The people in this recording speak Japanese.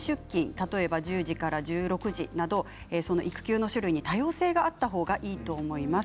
例えば、１０時から１６時など育休の種類に多様性があった方がいいと思います。